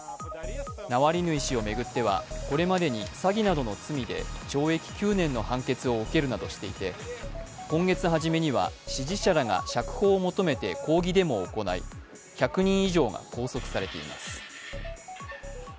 ナワリヌイ氏を巡ってはこれまでに詐欺などの罪で懲役９年の判決を受けるなどしていて今月初めには支持者らが釈放を求めて抗議デモを行い１００人以上が拘束されています。